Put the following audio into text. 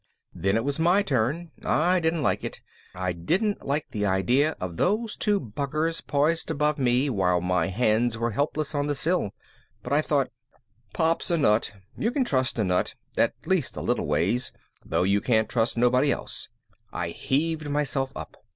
Then it was my turn. I didn't like it. I didn't like the idea of those two buggers poised above me while my hands were helpless on the sill. But I thought Pop's a nut. You can trust a nut, at least a little ways, though you can't trust nobody else. I heaved myself up.